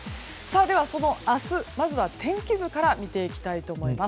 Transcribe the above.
その明日、まずは天気図から見ていきたいと思います。